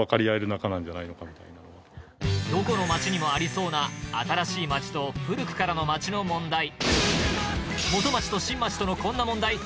どこの町にもありそうな新しい町と古くからの町の問題元町と新町とのこんな問題